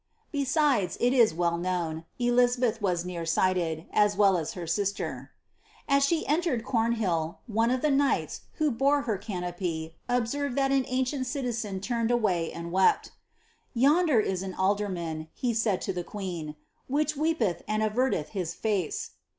Besides, it is well known, Elizabeth was Bcar sighted, as well as her sister. Aft she entered Cornhill, one of the knights, who bore her canopy, obifenred that an ancient citizen turned away and wept. ^^ Yonder is aa alderman," he said to the queen, ^^ which weepeth and averteth his bee."